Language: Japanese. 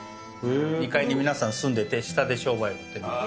２階に皆さん住んでて、下で商売してた。